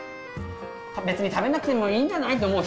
別に食べなくてもいいんじゃないと思う人？